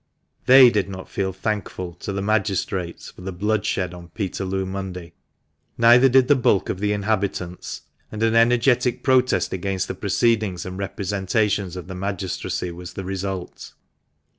They did not feel " thankful " to the magistrates for the blood shed on Peterloo Monday. Neither did the bulk of the inhabitants; and an energetic protest against the proceedings and representations of the magistracy was the result.